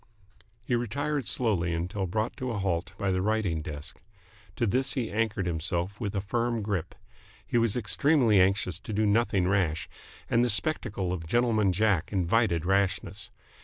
He retired slowly until brought to a halt by the writing desk. To this he anchored himself with a firm grip. He was extremely anxious to do nothing rash, and the spectacle of Gentleman Jack invited rashness.